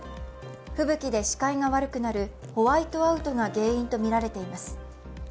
吹雪で視界が悪くなるホワイトアウトが原因とみられています。